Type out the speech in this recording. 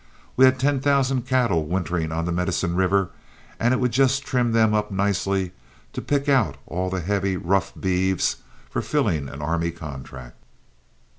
We had ten thousand cattle wintering on the Medicine River, and it would just trim them up nicely to pick out all the heavy, rough beeves for filling an army contract.